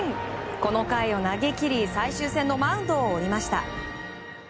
この回を投げ切り最終戦のマウンドを降りました。